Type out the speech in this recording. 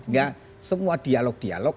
enggak semua dialog dialog